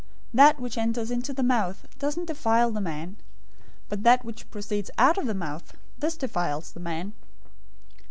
015:011 That which enters into the mouth doesn't defile the man; but that which proceeds out of the mouth, this defiles the man."